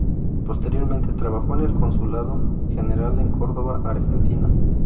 Posteriormente, trabajó en el Consulado General en Córdoba, Argentina.